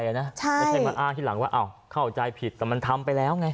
ไม่ใช่มาอ้างที่หลังว่าเข้าใจผิดแต่มันทำไปแล้วไง